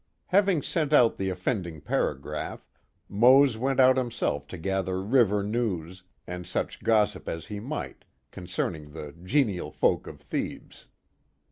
Having sent out the offending paragraph, Mose went out himself to gather river news, and such gossip as he might, concerning the genial folk of Thebes.